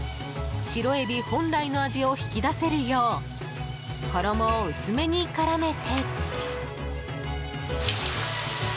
白エビ本来の味を引き出せるよう衣を薄めに絡めて。